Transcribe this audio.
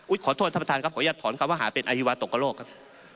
ขอโทษท่านประธานครับขออนุญาตถอนคำว่าหาเป็นอฮิวาตกกระโลกครับ